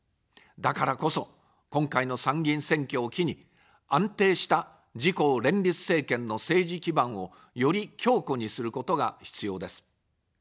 だからこそ、今回の参議院選挙を機に、安定した自公連立政権の政治基盤をより強固にすることが必要です。